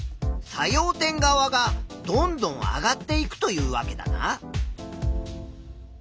作用点側がどんどん上がっていくというわけだな。